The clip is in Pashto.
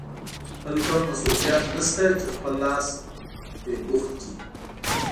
بل کوم مصروفیت نشته چې خپل لاس پرې بوخت کړې.